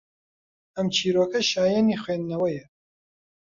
ئەم چیرۆکە شایەنی خوێندنەوەیە